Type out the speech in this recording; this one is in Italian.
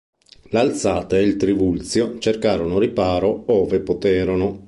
L'Alzate e il Trivulzio cercarono riparo ove poterono.